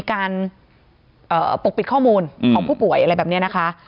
ข้อมูลของผู้ป่วยอะไรแบบนี้นะคะ